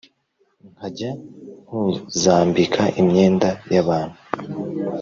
nkajya kuzambika imyenda yabantu